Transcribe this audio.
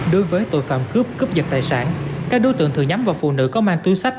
đối với tội phạm cướp cướp giật tài sản các đối tượng thường nhắm vào phụ nữ có mang túi sách